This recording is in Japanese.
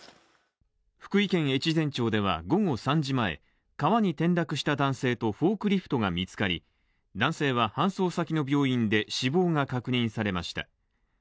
福井県越前町では午後３時前川に転落した男性とフォークリフトが見つかり男性は搬送先の病院で死亡が確認されました。